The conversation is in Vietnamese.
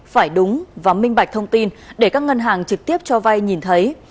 phải đúng và minh bạch thông tin để các ngân hàng trực tiếp cho vai nhìn thấy